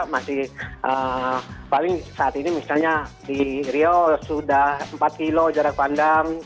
masih paling saat ini misalnya di riau sudah empat kilo jarak pandang